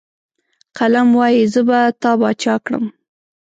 قلم وايي، زه به تا باچا کړم.